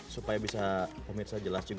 supaya bisa pemirsa jelas juga